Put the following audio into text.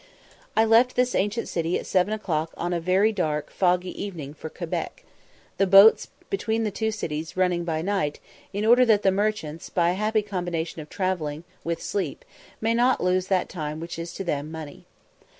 I left this ancient city at seven o'clock on a very dark, foggy evening for Quebec, the boats between the two cities running by night, in order that the merchants, by a happy combination of travelling with sleep, may not lose that time which to them is money.